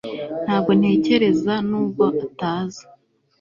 Ntabwo ntekereza nubwo ataza